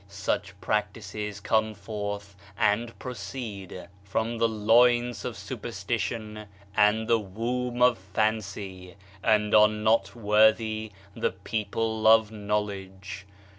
Such practices come forth and proceed from the loins of THE INDIVIDUAL 157 superstition and the womb of fancy, and are not worthy the people of knowledge.